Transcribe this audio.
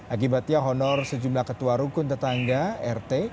akibatnya honor sejumlah ketua rukun tetangga rt